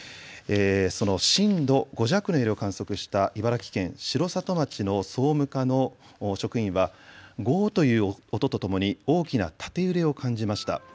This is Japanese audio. その震度５弱の揺れを観測した茨城県城里町の総務課の職員はゴーッという音とともに大きな縦揺れを感じました。